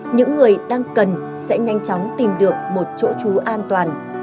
những người đang cần sẽ nhanh chóng tìm được một chỗ trú an toàn